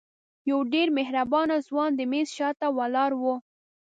یو ډېر مهربانه ځوان د میز شاته ولاړ و.